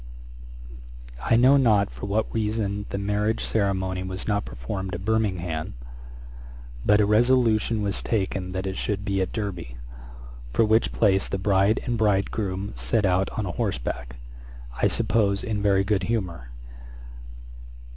] I know not for what reason the marriage ceremony was not performed at Birmingham; but a resolution was taken that it should be at Derby, for which place the bride and bridegroom set out on horseback, I suppose in very good humour.